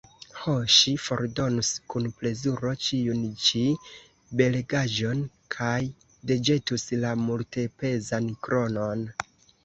Ho, ŝi fordonus kun plezuro ĉiun ĉi belegaĵon kaj deĵetus la multepezan kronon!